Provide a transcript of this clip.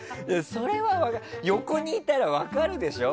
それは横にいたら分かるでしょ。